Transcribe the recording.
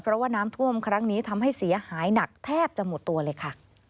เพราะว่าน้ำท่วมครั้งนี้ทำให้เสียหายหนักแทบจะหมดตัวเลยค่ะ